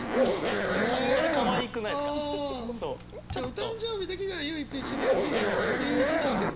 お誕生日だけが唯一一年で休んでいい日にしてんだ。